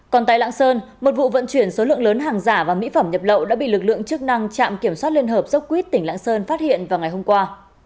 còn tại lạng sơn một vụ vận chuyển số lượng lớn hàng giả và mỹ phẩm nhập lậu đã bị lực lượng chức năng trạm kiểm soát liên hợp dốc quýt tỉnh lãng sơn phát hiện vào ngày hôm qua